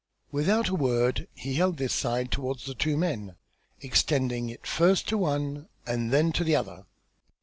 Without a word he held this side towards the two men, extending it first to one, and then to the other.